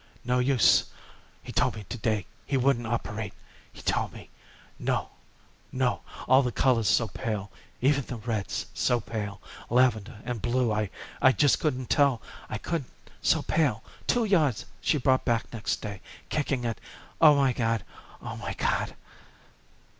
No use. He told me to day he wouldn't operate. He told me. No, no, all the colors so pale even the reds so pale! Lavender and blue I I just couldn't tell. I couldn't. So pale. Two yards she brought back next day, kicking at Oh, my God! Oh, my God!"